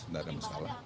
nggak ada masalah